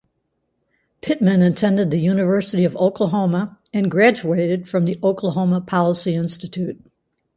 Pittman attended the University of Oklahoma and graduated from the Oklahoma Policy Institute.